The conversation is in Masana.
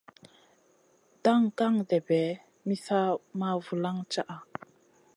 Daŋ gan-ɗèɓè mi sa ma vulaŋ caʼa.